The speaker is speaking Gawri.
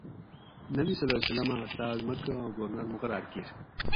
نبی (ص) ھہ تاۤس مکہ گورنر مقرار کِیر